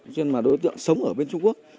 cho nên là đối tượng sống ở bên trung quốc